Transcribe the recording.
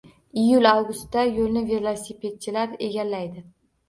Iyul-avgustda yo`lni velospedchilar egallaydi